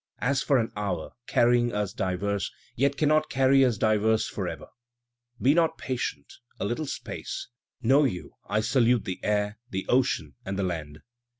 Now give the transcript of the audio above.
As for an hour carrying us diverse, yet cannot carry us diverse forever; Be not impatient — a Uttle space — know you I salute the air, the ocean and the land.